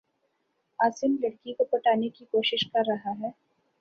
عاصم لڑ کی کو پٹانے کی کو شش کر رہا ہے